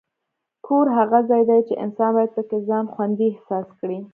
کور هغه ځای دی چې انسان باید پکې ځان خوندي احساس کړي.